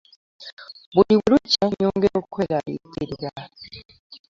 Buli bwelukya nyongera okweralikirira.